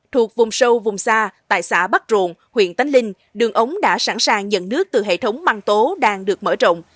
thuộc vùng sâu vùng xa tại xã bắc rộn huyện tánh linh đường ống đã sẵn sàng nhận nước từ hệ thống măng tố đang được mở rộng